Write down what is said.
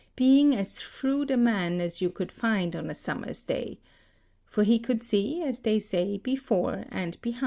] being as shrewd a man as you could find on a summer's day: for he could see, as they say, before and behind.